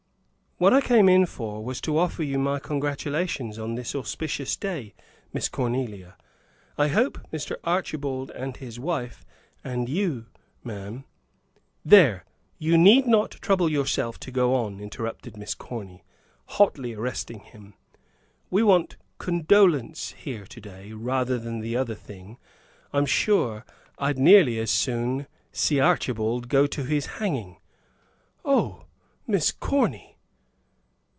"What I came in for, was to offer you my congratulations on this auspicious day, Miss Cornelia. I hope Mr. Archibald and his wife, and you, ma'am " "There! You need not trouble yourself to go on," interrupted Miss Corny, hotly arresting him. "We want condolence here to day, rather than the other thing. I'm sure I'd nearly as soon see Archibald go to his hanging." "Oh, Miss Corny!"